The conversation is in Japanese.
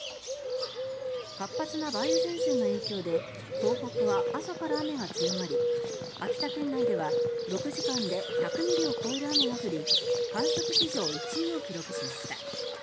活発な梅雨前線の影響で東北は朝から雨が強まり秋田県内では６時間で１００ミリを超える雨が降り観測史上１位を記録しました。